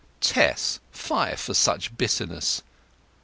"Tess, fie for such bitterness!"